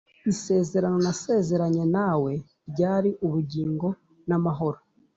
“Isezerano nasezeranye na we ryari ubugingo n’amahoro